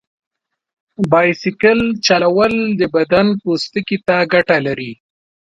بایسکل چلول د بدن پوستکي ته ګټه لري.